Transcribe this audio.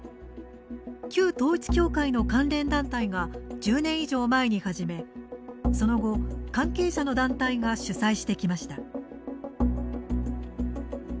旧統一教会の関連団体が１０年以上前に始めその後、関係者の団体が主催してきました。